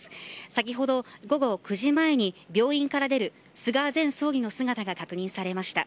先ほど午後９時前に病院から出る菅前総理の姿が確認されました。